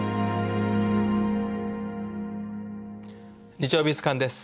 「日曜美術館」です。